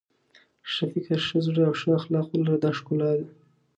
ښه فکر ښه زړه او ښه اخلاق ولرئ دا ښکلا ده.